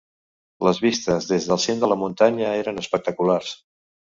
Les vistes des del cim de la muntanya eren espectaculars.